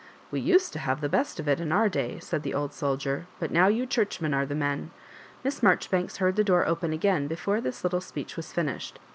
" We used to have the best of it in our day," said the old soldier; "but now you churchmen are the men." Miss Maijoribanks heard the door open again before this little speech was finished.